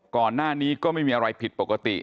ก่อนหน้านี้ก็ไม่มีอะไรผิดปกติ